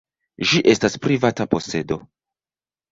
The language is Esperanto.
Ĝi estas privata posedo.